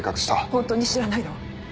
本当に知らないの。